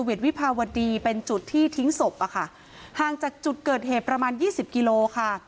วิภาวดีเป็นจุดที่ทิ้งศพอะค่ะห่างจากจุดเกิดเหตุประมาณยี่สิบกิโลค่ะ